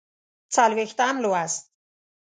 څلوېښتم لوست